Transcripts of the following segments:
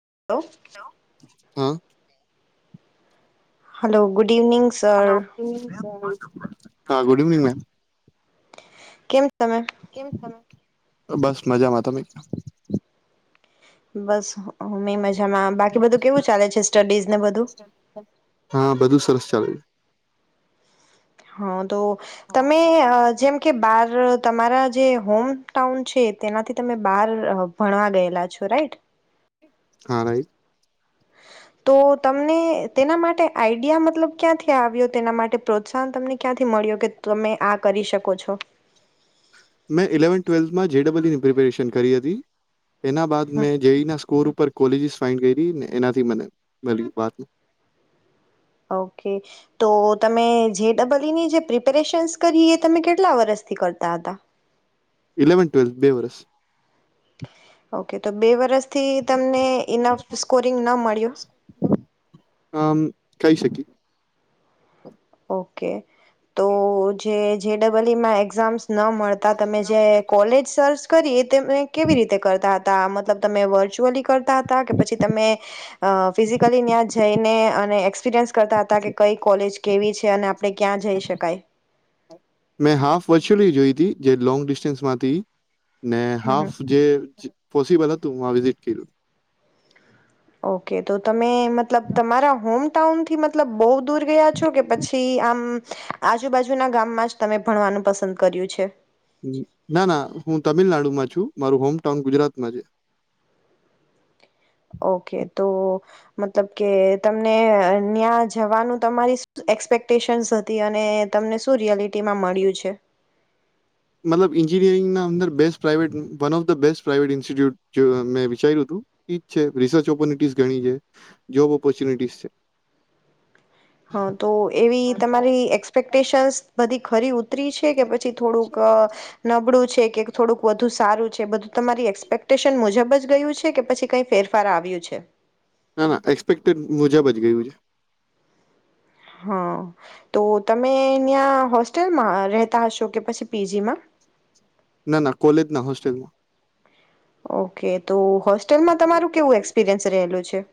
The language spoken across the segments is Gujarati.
[unintelligible] હા. હલો. Good evening sir. હા ગુડ ઇવનિંગ મેમ. કેમ તમે કેમ [unintelligible] બસ મજામાં. તમે? બસ મે મજામાં બાકી બધું કેવું ચાલે છે સ્ટડીઝ ને બધું હા બધું સરસ [inaudible] હા તો તમે અ જેમ કે બાર તમારા જે હોમ ટાઉન છે તેનાથી તમે બાર ભણવા ગયેલા છો રાઈટ. હા રાઈટ. તો તમને તેના માટે આઈડિયા મતલબ ક્યાંથી આવ્યો તેના માટે પ્રોત્સાહન તમને ક્યાંથી મળ્યો કે તમે આ કરી શકો છો. મેં ઇલેવન્થ ટ્વેલ્થમાં જેડબલ્યુુની પ્રિપેરેશન કરી હતી. એના બાદ હમ, મેં જેયઈ ના સ્કોર ઉપર કોલેજીસ ફાઈન્ડ કરી ને એનાથી મને મળ્યું વાત. ઓકે તો તમે જે ડબલઈ ની જે પ્રિપેરેશન્સ કરી એ તમે કેટલા વરસથી કરતા હતા. ઇલેવનથ ટ્વેલ્થ બે વર્ષ. ઓકે તો બે વરસ થી તમને ઇનફ સ્કોરિંગ ન મળ્યો ખઈ શકીએ. ઓકે. તો જે [unintelligible] વલીમાં એક્ઝામ્સ ન મળતા તમે જે કોલેજ સર્સ કરી એ તેવે કેવી રીતે કરતા તા મતલબ તમે વર્ચ્યુઅલી કર તા તા કે પછી તમે અહ ફિઝિકલી ત્યા જઈને અને એક્સપિરિયન્સ કરતા હતા કે કઈ કોલેજ કેવી છે અને આપણે ક્યાં જઈ શકાય? મેં હાફ વર્ચ્યુઅલી જોઈ જે લોંગ ડિસ્ટન્સ માં હતી ઈ. ને હમ હમ હાફ જે પોસિબલ હતું વા વિઝિટ કયરું. ઓકે તો તમે મતલબ તમારા હોમ ટાઉન થી મતલબ બોવ દૂર ગયા છો કે પછી આમ આજુબાજુના ગામમાં જ તમે ભણવાનું પસંદ કર્યું છે? ના-ના હું તમિલનાડુમાં છું, મારું હોમ ટાઉન ગુજરાતમાં છે. ઓકે તો મતલબ કે તમને ન્યાં જવાનું તમારી સ એક્સપેક્ટેશન હતી અને તમને શું રિયાલી તેમાં મળ્યું છે? મતલબ ઇન્જિનિયરિંગના અંદર best private one of the best private institute મેં વિચાર્યું તું, ઈ જ છે. રિસર્ચ ઓપોરનિટીઝ ઘણી છે, જોબ ઓપોર્ચ્યુનિટીઝ છે. હા તો એવી તમારી એક્સપેક્ટેશનસ બધી ખરી ઉ તરી છે કે પછી થોડુંક અહ નબળું છે કે થોડુંક વધુ સારું છે, બધું તમારી એક્પેક્ટેશન મુજબ જ ગયું છે કે પછી કાઈ ફેરફાર આવ્યું છે? ના, ના એક્સપેક્ટડ મુજબ જ ગયું છે. હા તો તમે ન્યાં હોસ્ટેલમાં રહેતા હશો કે પછી પીજીમાં? ના, ના કોલેજ ના હોસ્ટેલમાં. ઓકે તો હોસ્ટેલમાં તમારું કેવું એક્સપિરિયન્સ રહેલું છે?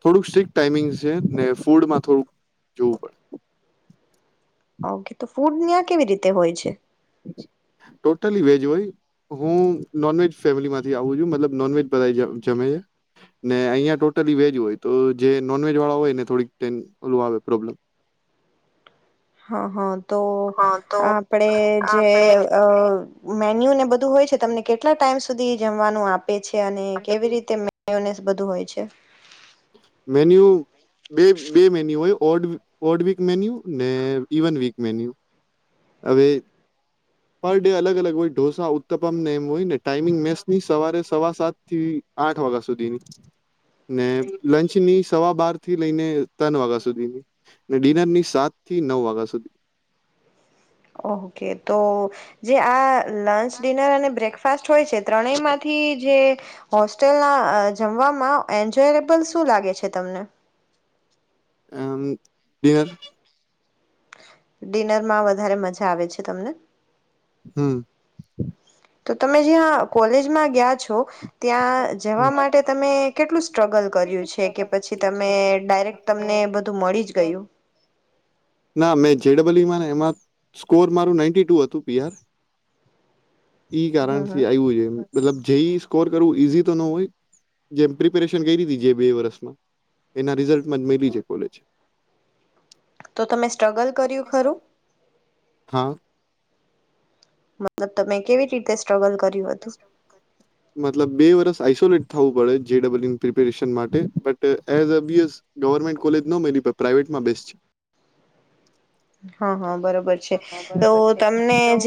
થોડુંક સ્ટ્રિક ટાઈમિંગ છે, ને ફૂડમાં થોડુંક જોવું પડે. ઓકે. તો ફૂડ ન્યાં કેવી રીતે હોય છે? ટોટલી વેજ હોય, હું નોનવેજ ફેમિલી માંથી આવું છું. મતલબ નોનવેજ બધાય જ જમે, ને અહીંયા ટોટલી વેજ હોય તો જે નોનવેજ વાળા હોય એને થોડીક ટેન ઓલું આવે પ્રોબ્લેમ. હા, હા. તો આપડે જે અહ મેન્યુ ને બધું હોય છે, તમને કેટલા ટાઈમ સુધી જમવાનું આપ પે છે અને કેવી રીતે [unintelligible] બધું હોય છે. મેન્યુ બે-બે મેન્યુ હોય, ઓડ-ઓડ વીક ને ઇવન વીક મેન્યુ. હવે પર ડે અલગ અલગ હોય. ઢોસા ઉત્તપમ ને એમ હોય ને ટાઈમિંગ મેસની સવારે સવા સાત થી આઠ વાગા સુધીની ને લંચની સવા બાર થી લઈને તન વાગા સુધીની ને ડિનરની સાત થી નવ વાગા સુધી. ઓહકે, તો જે આ લંચ, ડિનર અને બ્રેક ફાસ્ટ હોય છે. ત્રણેયમાંથી જે હોસ્ટેલના જમવામાં એન્જોયલેબલ શું લાગે છે તમને? અમ્મ ડિનર. ડિનરમાં વધારે મજા આવે છે તમને? હમ્મ. તો તમે જ્યાં કોલેજમાં ગ્યા છો. ત્યાં જવા માટે તમે કેટલું સ્ટ્રગલ કર્યું છે કે પછી તમે ડાયરેક્ટ તમને બધું મળી જ ગયું? બલ ઈમાં ને એમાં સ્કોર મારું નાઈન્ટી ટુ હતું પી આર. ઈ હા હા કારણથી આયવું છે એમ. મતલબ જે ઈ ઈ સ્કોર કરવું ઈઝી તો નો હોય. જેમ પ્રિપેરે શન કયરીતિ જે બે વરસમા એના રિઝલ્ટમાં જ મયલી છે કોલેજ. તો તમે સ્ટ્રગલ કર્યું ખરું? હા. તો તમે કેવી રીતે સ્ટ્રગલ કર્યું હતું? મતલબ બે વર્ષ આઈસોલેટ થાવું પડે જે ડબલ ઈની પ્રિપેરેશન માટે. બટ એઝ એબયસ ગવર્મેન્ટ કોલેજ નો મયલી પણ પ્રાઇવેટમાં બેસ્ટ છે. હં, હં. હમ્મ,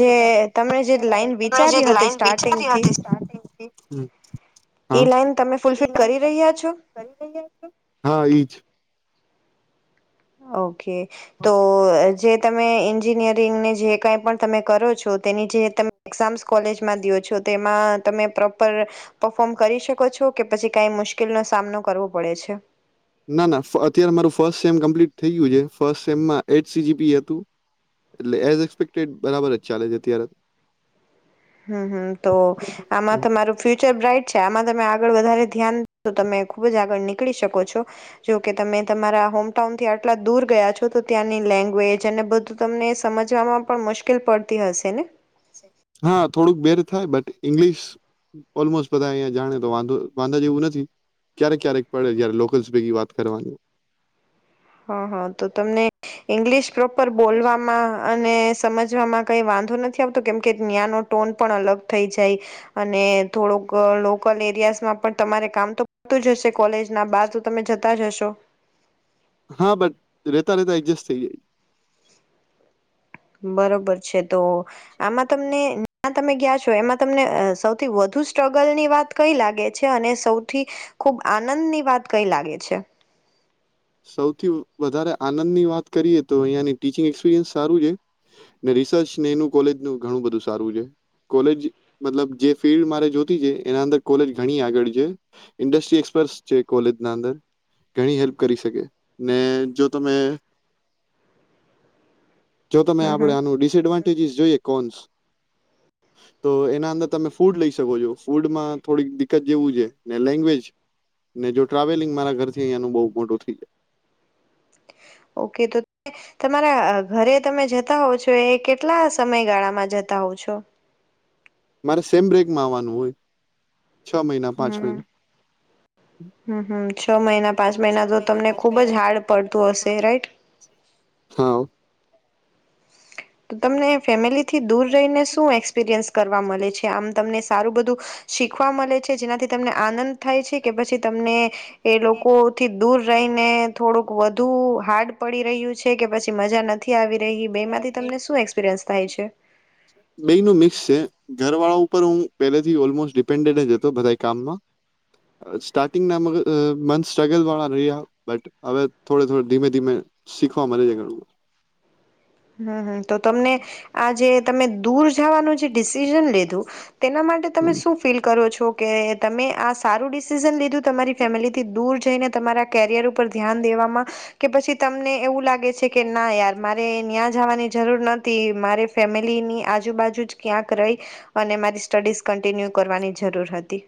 જે તમે જે લાઈન વિચારી હતી સ્ટાર્ટિંગથી એ લાઈન તમે ફૂલફિલ કરી હં, રહ્યા છો હા ઈજ. ઓકે. તો જે તમે એન્જિનિયરિંગને જે કંઈ પણ તમે કરો છો તો તેની જે તમે એક્ઝામસ કોલેજમાં દ્યો છો તેમાં તમે પ્રોપર પફોર્મ કરી શકો છો કે પછી કાય મુશ્કીલનો સામનો કરવો પડે છે? ના, ના, ફ અત્યારે મારું ફર્સ્ટ સેમ કમ્પ્લીટ થઈ ગ્યું જે. ફર્સ્ટ સેમમાં એટ સી જી પી હતું. એટલે એઝ એક્સપેક્ટેડ બરાબર જ ચાલે છે અત્યારે. હમ્મ, હમ્મ, તો આમાં હમ. તમારું ફ્યુચર બ્રાઈટ છે. આમાં તમે આગળ વધારે ધ્યાન તો તમે ખુબ જ આગળ નીકળી શકો છો. જોકે તમે તમારા હોમટાઉન થી આટલા દૂર ગયા છો, તો ત્યાંની લેંગ્વેજ અને બધું તમને સમજવામાં પણ મુશ્કેલ પડતી હશે ને? હા, થોડુંક બેર થાય. બટ, ઈંગ્લિશ ઓલમોસ્ટ બધા અયા જાણે તો વાંધો વાંધા જેવું નથી. ક્યારેક ક્યારેક પડે જારે લોકલ્સ ભેગી વાત કરવાની હોય. હં, હં, તો તમને ઈંગ્લિશ પ્રોપર બોલવામાં અને સમજવામાં કઈ વાંધો નથી આવતો કેમ કે, ન્યાનો ટોન પણ અલગ થઈ જાય અને થોડોક લોકલ એરિયાઝમાં પણ તમારે કામ તો તું જ હશે. કોલેજના બાર તો તમે જતા જ હશો. તો હા, બટ રેતા રેતા એડજસ્ટ થઈ જાય બરોબર છે. તો આમાં તમને જ્યાં તમે ગયા છો એમાં તમને સૌથી વધુ સ્ટ્રગલની વાત કઈ લાગે છે અને સૌથી ખૂબ આનંદની વાત કઈ લાગે છે? સૌથી વધારે આનંદની વાત કરીએ તો અઈયાની ટીચિંગ એક્સપિરિયન્સ સારું છે ને રિસર્ચ ને એનું કોલેજનું ઘણું બધું સારું છે, કોલેજ મતલબ જે ફિલ્ડ મારે જોતી છે એના અંદર કોલેજ ઘણી આગળ છે, ઇન્ડસ્ટ્રી એસપરર્સ છે કોલેજનાં અંદર ઘણી હેલ્પ કરી શકે ને જો તમે જો તમે હમ આપડે હમ આનું ડિસએડવાન્ટેજીસ જોઈએ કોન્સ તો એના અંદર તમે ફૂડ લઈ શકો છો, ફૂડમાં થોડી દિકકત જેવું છે ને લેંગ્વેજ ને જો ટ્રાવેલિંગ મારા ઘરથી અંયાનું બઉ મોટો થઈ જાય ઓ કે તો તમારા ઘરે તમે જતા હોવ છો એ કેટલા સમયગાળામાં જતા હોવ છો? મારે સેમ બ્રેકમાં આવવાનું હોય. છ મહિના પાંચ હમ્મ, મહિના હમ્મ, હમ્મ, છ મહિના પાંચ મહિના તો તમને ખુબ જ હાર્ડ પડતું હશે રાઈટ? હા તો તમને ફેમિલી થી દૂર રહીને શું એક્સપિરિયન્સ કરવા મલે છે, આમ તમને સારું બધું શી ખવા મલે છે જેનાથી તમને આનંદ થાય છે કે પછી તમને એ લોકોથી દૂર રહીને થોડુંક વધુ હાર્ડ પડી રહ્યું છે, કે પછી મજા નથી આવી રહી બે બેયનું મિક્સ છે, ઘરવાળો પર હું પેલેથી ઓલમોસ્ટ ડિપેન્ડન્ટ જ અતો બધાય કામમાં સ્ટાર્ટિંગનાં મંથ્સ સ્ટ્રગલવાળા રહ્યા હવે થોડ થોડે ધીમે ધીમે શીખવા મલે છે ઘણુ હમ્મ, હમ્મ, તો તમને આ જે તમે દૂર થવાનું જે ડિસિઝન લીધું, તેના માટે તમે હમ શું ફીલ કરો છો કે તમે આ સારું ડિસિઝન લીધ ધુ તમારી ફેમિલીથી દૂર જઈને તમારા કેરિયર ઉપર ધ્યાન દેવામાં કે પછી તમને એવું લાગ ગે છે કે ના યાર મારે ન્યાં જાવાની જરૂર ન થી મારે ફેમિલીની આજુબાજુ જ ક્યાંક રઈ અને મારી સ્ટડીઝ કન્ટિન્યુ કરવાની જરૂર હતી.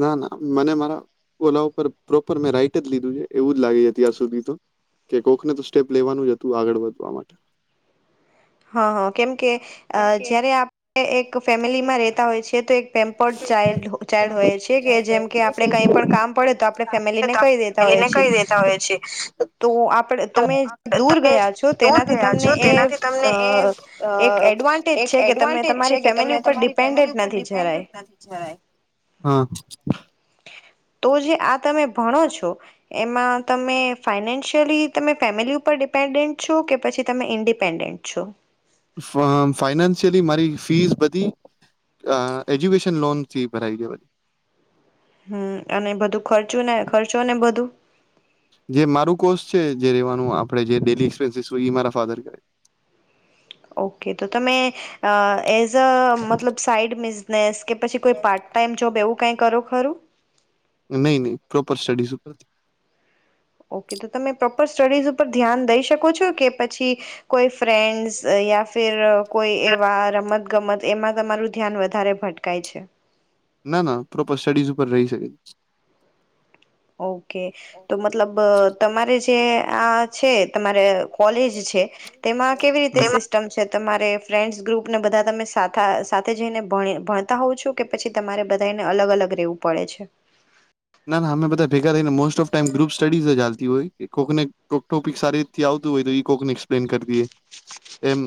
ના ના મને મારા ઓલા ઉપર પ્રોપર મેં રાઈટ જ લીધું છે એવું જ લાગી અતી આજ સુધી તો કે કોકને તો સ્ટેપ લેવાનું જ હતું આગળ વધવા માટે હા હા કેમકે અ જયારે આપણે એક ફેમિલીમાં રેતા હોય છી તો એક પેમ્પર્ડ ચાલ્ ચાઇલ્ડ હોય છે. કે જેમ કે આપણે કઈ પણ કામ પડે તો આપણે ફેમિલીને કહી દેતા હોય છે તો આપડે તમે દૂર ગયા છો તેનાથી તમને એ અ એ એક એડવાન્ટેજ એક છે કે તમે એડવાન્ટેજ છે તમારી કે તમે ફેમિલી ઉપર તમારી ફેમિલી ડિપેન્ડન્ટ ઉપર નથી જરાય ડિપેન્ડન્ટ નથી જવાય. [inaudible] તો જે આ તમે ભણો છો એમાં તમે ફાઈનાન્શિયલી તમે ફેમિલી ઉપર ડિપેન્ડન્ટ છો કે પછી તમે ઇન્ડિપેન્ડેન્ટ છો ફા ફાઈનાન્શિયલી મારી ફીસ બધી અ એજ્યુકેશન લોન થી ભરાઈ છે. હમ્મ અને બધું ખર્ચું ને ખર્ચો ને બધું? જે મારું કોર્સ છે જે રેવાનું આપડે [unintelligible] મારા ફધર કરે છે. ઓકે તો તમે એઝ અ મતલબ સાઈડ બિઝનેસ કે પછી કોઈ પાર્ટ ટાાઈમ જોબ એવું કઈ કરો ખરું? નહી નહી પ્રોપર સ્ટડીઝ ઉપર. ઓકે તો તમે પ્રોપર સ્ટડીઝ પર ધ્યાન દઈ શકો છો કે પછી કોઈ ફ્રેન્ડ્સ યા ફિર કોઈ એવા રમત ગમત એમાં તમારું ધ્યાન વધારે ભટકાય છે. ના ના પ્રોપર સ્ટડીઝ ઉપર રહી શકે. ઓકે તો મતલબ તમારે જે આ છે તમારે કોલેજ છે તેમાં કેવી રીતે સિસ્ટમ છે તમાર ફ્રેન્ડસ ગ્રુપને બધા તમે સાથા સાથે જઈને ભણે ભણતા હોઉ છું કે પછી તમારે બધા એને અલગ અલગ રેવું પડે છે? ના ના અમે બધા ભેગા રહીને most of time group studies હાલતી હોય કોકને કોક ટોપિક સારી રીથી આવતું હોય તો કોકને એક્સપ્લેન કરી દએ એમ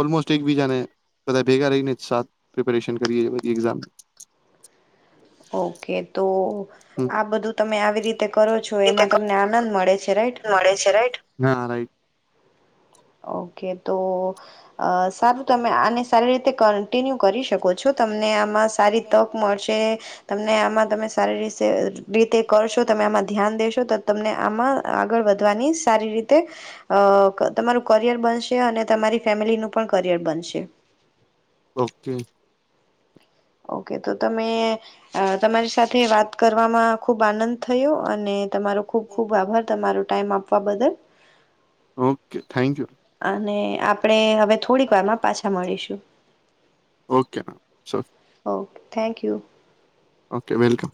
ઓલમોસ્ટ એકબીજાને બધા ભેગા રહીને સા પ્રિપરેશન કરીએ બધી એક્ઝામ. ઓકે તો આ બધું તમે આવી રીતે કરો છો એમાં તમને આનંદ મળે છે રાઈટ? હા રાઈટ. ઓકે તો સારું તમે આને સારી રીતે કન્ટિન્યુ કરી શકો છો તમને આમાં સારી તક મળશે. તમને આમાં તમે સારી રીસે રીતે કરશો તમે આમાં ધ્યાન દેશો તો તમને આમાં આગળ વધવાની સારી રીતે અ તમારું કરિયર બનશે અને તમારી ફેમિલીનું પણ કરિયર બનશે. ઓકે ઓકે તો તમે તમારી સાથે વાત કરવામાં ખુબ આનંદ થયો અને તમારો ખૂબ ખૂબ આભાર તમારો ટાઈમ આપવા બદલ. ઓકે થેન્ક યુ અને આપણેે હવે થોડીક વાર માં પાછા મળીશું. Okay ma'am okay thank you. Okay welcome.